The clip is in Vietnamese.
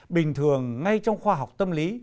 bình thường ngay trong khoa học tâm lý